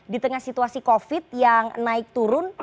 di tengah situasi covid yang naik turun